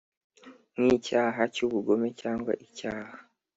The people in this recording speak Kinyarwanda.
nk icyaha cy ubugome cyangwa icyaha